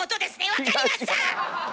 分かりました！